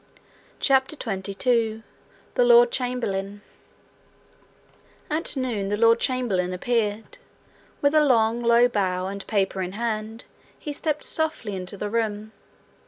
CHAPTER 22 The Lord Chamberlain At noon the lord chamberlain appeared. With a long, low bow, and paper in hand, he stepped softly into the room.